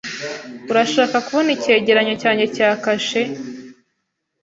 Urashaka kubona icyegeranyo cyanjye cya kashe?